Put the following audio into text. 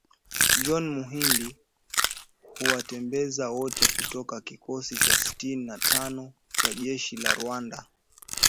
John Muhindi huwatembeza wote kutoka kikosi cha sitini na tano cha jeshi la Rwanda